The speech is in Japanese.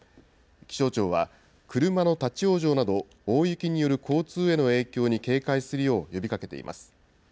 気象庁は、車の立往生など、大雪による交通への影響に警戒するよう呼びかけています。